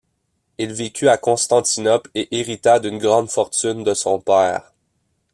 Il vécut à Constantinople et hérita d'une grande fortune de son père.